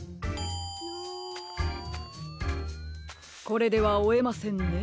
これではおえませんね。